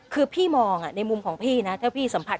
คือพี่มองในมุมของพี่นะถ้าพี่สัมผัส